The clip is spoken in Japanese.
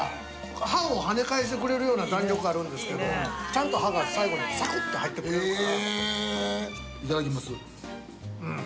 歯を跳ね返してくれるような弾力があるんですけどちゃんと歯が最後にサクッと入ってくれるから。